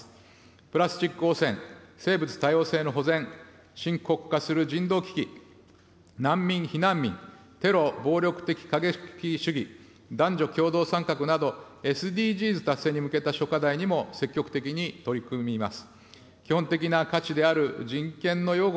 プラスチック汚染、生物多様性の保全、深刻化する人道危機、難民・避難民、テロ暴力的過激主義、男女共同参画など、ＳＤＧｓ達成に向けた諸課題にも積極的に取り組みます。